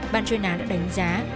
ban chuyên án đã đánh giá